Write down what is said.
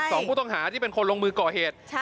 สองผู้ต้องหาที่เป็นคนลงมือก่อเหตุ